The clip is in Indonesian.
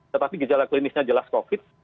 tetapi gejala klinisnya jelas covid